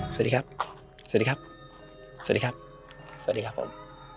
สวัสดีครับสวัสดีครับสวัสดีครับสวัสดีครับผม